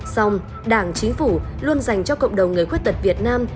xong đảng chính phủ luôn dành cho cộng đồng người khuyết tật việt nam